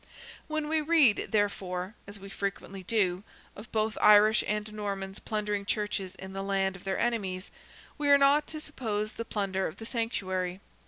When we read, therefore, as we frequently do, of both Irish and Normans plundering churches in the land of their enemies, we are not to suppose the plunder of the sanctuary.